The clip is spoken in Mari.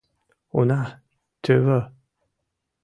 — Уна, тӧвӧ!